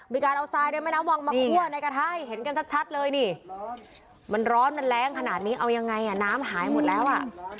มีการเอาทรายในแม่น้ำวังมาคั่วในกระทะให้เห็นกันชัดเลยนี่มันร้อนมันแรงขนาดนี้เอายังไงอ่ะน้ำหายหมดแล้วอ่ะ